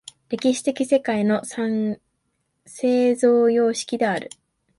歴史的世界の生産様式である。